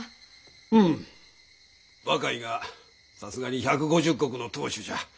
うむ若いがさすがに１５０石の当主じゃ。